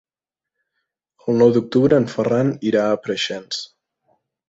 El nou d'octubre en Ferran irà a Preixens.